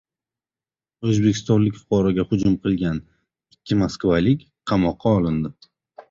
O‘zbekistonlik fuqaroga hujum qilgan ikki moskvalik qamoqqa olindi